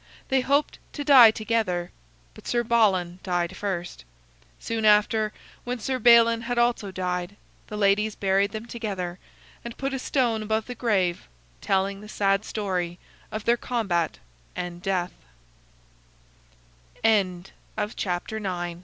They hoped to die together, but Sir Balan died first. Soon after, when Sir Balin had also died, the ladies buried them together, and put a stone above the grave, telling the sad story of